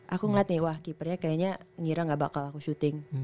aku ngeliat nih wah keepernya kayaknya ngira gak bakal aku syuting